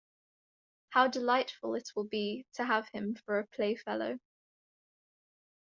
How delightful it will be to have him for a playfellow!